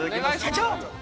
社長！